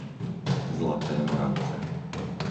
Zlaté Moravce